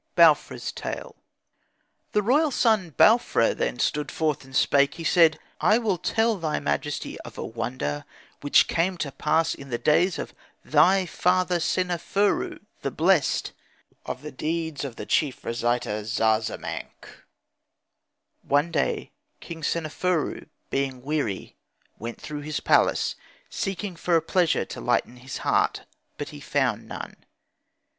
BAUFRA'S TALE The royal sou Bau f ra then stood forth and spake. He said, "I will tell thy majesty of a wonder which came to pass in the days of thy father Seneferu, the blessed, of the deeds of the chief reciter Zazamankh. One day King Seneferu, being weary, went throughout his palace seeking for a pleasure to lighten his heart, but he found none.